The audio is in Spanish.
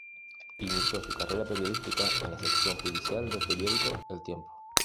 Inició su carrera periodística en la sección judicial del periódico "El Tiempo".